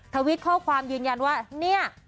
ทวิตข้อความยืนยันว่าเนี่ย